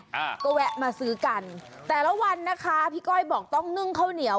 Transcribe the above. อ่าก็แวะมาซื้อกันแต่ละวันนะคะพี่ก้อยบอกต้องนึ่งข้าวเหนียว